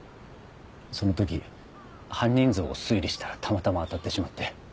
その時犯人像を推理したらたまたま当たってしまって。